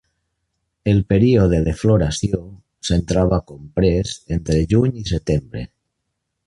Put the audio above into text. El període de floració se'n troba comprés entre juny i setembre.